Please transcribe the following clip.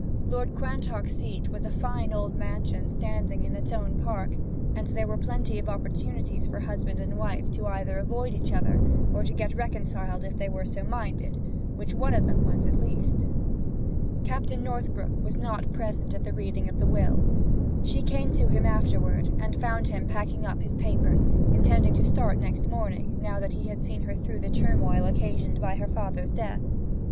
Lord Quantock's seat was a fine old mansion standing in its own park, and there were plenty of opportunities for husband and wife either to avoid each other, or to get reconciled if they were so minded, which one of them was at least. Captain Northbrook was not present at the reading of the will. She came to him afterward, and found him packing up his papers, intending to start next morning, now that he had seen her through the turmoil occasioned by her father's death.